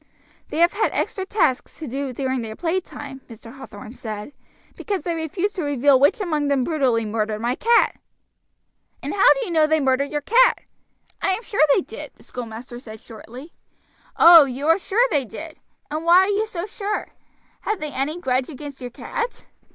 "They have had extra tasks to do during their play time," Mr. Hathorn said, "because they refused to reveal which among them brutally murdered my cat." "And how do you know they murdered your cat?" "I am sure they did," the schoolmaster said shortly. "Oh! you are sure they did! And why are you so sure? Had they any grudge against your cat?"